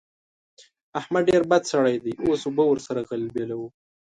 احمد ډېر بد سړی دی؛ اوس اوبه ور سره غلبېلوو.